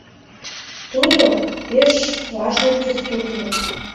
Тудо — пеш важный преступник.